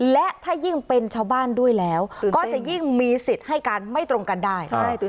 และถ้ายิ่งเป็นชาวบ้านด้วยแล้วก็จะยิ่งมีสิทธิ์ให้การไม่ตรงกันได้